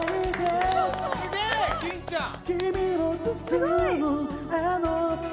すごい！